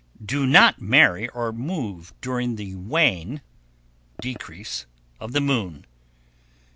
_ 1138. Do not marry or move during the wane (decrease) of the moon.